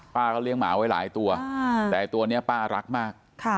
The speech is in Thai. ป้าก็เลี้ยงหมาไว้หลายตัวแต่ตัวนี้ป้ารักมาก